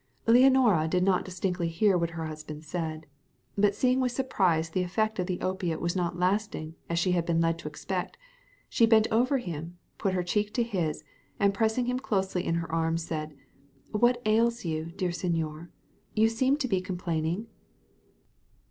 Leonora did not distinctly hear what her husband said; but seeing with surprise that the effect of the opiate was not so lasting as she had been led to expect, she bent over him, put her cheek to his, and pressing him closely in her arms, said, "What ails you, dear señor? You seem to be complaining?"